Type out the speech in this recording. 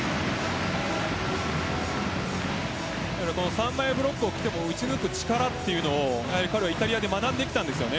３枚ブロックがきても打ち抜く力というのを彼はイタリアで学んできました。